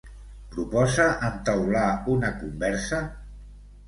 Proposa entaular una conversa?